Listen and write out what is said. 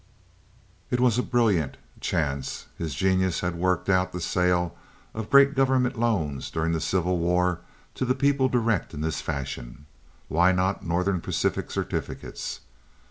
It was a brilliant chance. His genius had worked out the sale of great government loans during the Civil War to the people direct in this fashion. Why not Northern Pacific certificates?